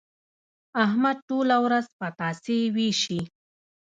احمد ټوله ورځ پتاسې وېشي.